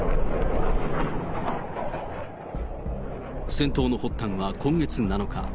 戦闘の発端は今月７日。